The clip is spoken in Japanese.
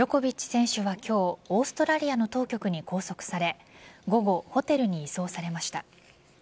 ジョコビッチ選手は今日、オーストラリアの当局に拘束され午後、ホテルに移送されました。